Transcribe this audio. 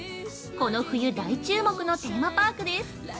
この冬大注目のテーマパークです！